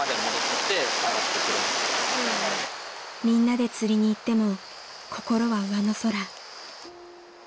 ［みんなで釣りに行っても心は上の空］